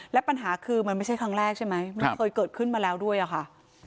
และปัญหาคือมันไม่ใช่ครั้งแรกใช่ไหมมันเคยเกิดขึ้นมาแล้วด้วยอะค่ะ